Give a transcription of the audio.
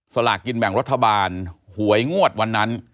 สลากกินแบ่งรัฐบาลหวยงวดวันนั้น